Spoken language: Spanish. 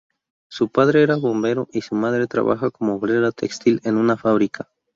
Su padre era bombero y su madre trabajó como obrera textil en una fábrica.